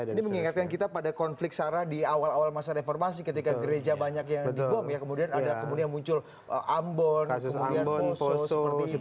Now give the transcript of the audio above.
ini mengingatkan kita pada konflik sarah di awal awal masa reformasi ketika gereja banyak yang dibom ya kemudian ada kemudian muncul ambon kemudian poso seperti itu